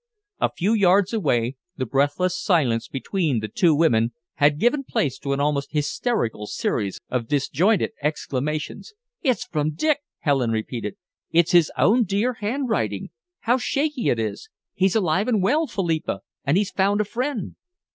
A few yards away, the breathless silence between the two women had given place to an almost hysterical series of disjointed exclamations. "It's from Dick!" Helen repeated. "It's his own dear handwriting. How shaky it is! He's alive and well, Philippa, and he's found a friend."